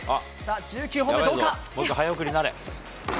１９本目、どうか？